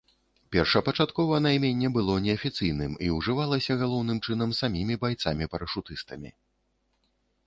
Першапачаткова найменне было неафіцыйным, і ўжывалася галоўным чынам самімі байцамі-парашутыстамі.